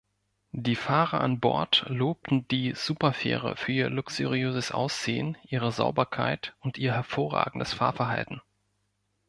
Die Fahrer an Bord lobten die „Superfähre“ für ihr luxuriöses Aussehen, ihre Sauberkeit und ihr hervorragendes Fahrverhalten.